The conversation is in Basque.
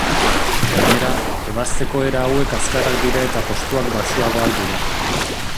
Gainera, ebazteko era hauek azkarrak dira eta kostuak baxuagoak dira.